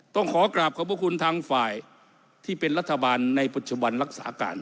ต้องขอกราบขอบพระคุณทางฝ่ายที่เป็นรัฐบาลในปัจจุบันรักษาการ